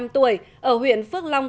ba mươi năm tuổi ở huyện phước long